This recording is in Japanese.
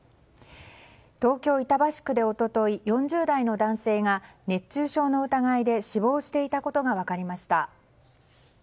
東京・板橋区で一昨日４０代の男性が熱中症の疑いで死亡していたことが分かりました。